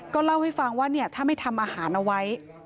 เล่าให้ฟังว่าถ้าไม่ทำอาหารเอาไว้